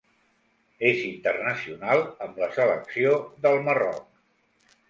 És internacional amb la selecció del Marroc.